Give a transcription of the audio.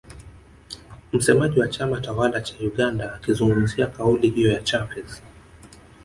Msemaji wa chama tawala cha Uganda akizungumzia kauli hiyo ya Chavez